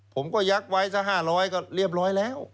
ผมก็ยักษ์ไว้สัก๕๐๐ก็เรียบร้อยแล้ว